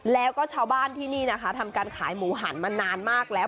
แล้วก็ชาวบ้านที่นี่นะคะทำการขายหมูหันมานานมากแล้ว